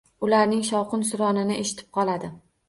Ularning shovqin-suronini eshitib qoladi.